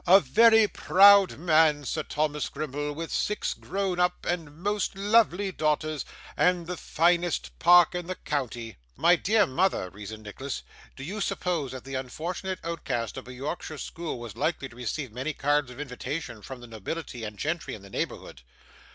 'A very proud man, Sir Thomas Grimble, with six grown up and most lovely daughters, and the finest park in the county.' 'My dear mother,' reasoned Nicholas, 'do you suppose that the unfortunate outcast of a Yorkshire school was likely to receive many cards of invitation from the nobility and gentry in the neighbourhood?